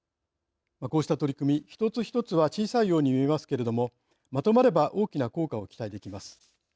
こうした取り組み一つ一つは小さいように見えますけれどもまとまれば大きな効果を期待できます。